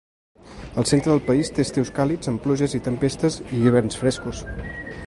El centre del país té estius càlids amb pluges i tempestes i hiverns frescos.